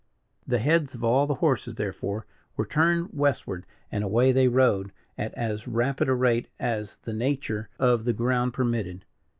The heads of all the horses, therefore, were turned westward, and away they rode at as rapid a rate as the nature of the ground permitted.